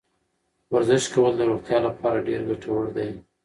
ورزش کول د روغتیا لپاره ډېر ګټور دی.